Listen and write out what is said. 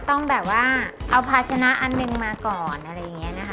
ต้องแบบว่าเอาภาชนะอันหนึ่งมาก่อนอะไรอย่างนี้นะคะ